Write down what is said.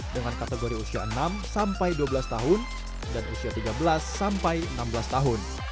dengan kategori usia enam sampai dua belas tahun dan usia tiga belas sampai enam belas tahun